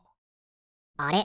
あれ？